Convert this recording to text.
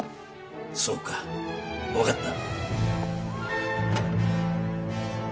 そうか分かった。